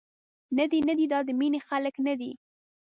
ندي، ندي دا د مینې خلک ندي.